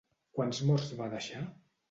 Quants morts va deixar?